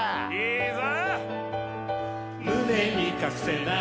いいぞ！